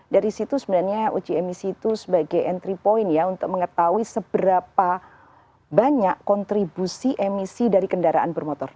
dari situ sebenarnya uji emisi itu sebagai entry point ya untuk mengetahui seberapa banyak kontribusi emisi dari kendaraan bermotor